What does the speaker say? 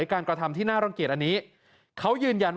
ไฮโซลุคนัทบอกว่าครั้งแรกที่เขารู้เรื่องนี้ได้ยินเรื่องนี้เนี่ย